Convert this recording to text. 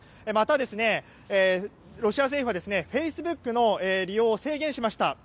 また、ロシア政府はフェイスブックの利用を制限しました。